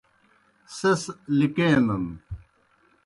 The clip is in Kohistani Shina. سیْس لِکینَن۔